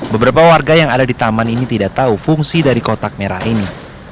beberapa warga yang ada di taman ini tidak tahu fungsi dari kotak merah ini